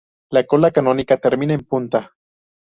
La cola cónica termina en punta.